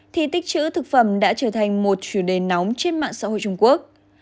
thì tích chữ thực phẩm đã trở thành một chủ đề nóng trên mạng xã hội trung quốc